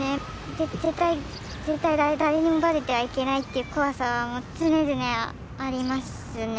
絶対誰にもばれてはいけないっていう怖さは常々ありますね